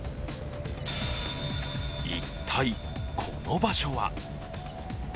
一体この場所は？